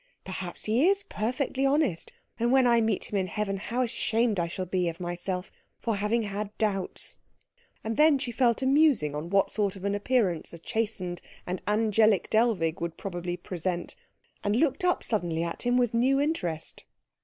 Perhaps he is perfectly honest, and when I meet him in heaven how ashamed I shall be of myself for having had doubts!" And then she fell to musing on what sort of an appearance a chastened and angelic Dellwig would probably present, and looked up suddenly at him with new interest.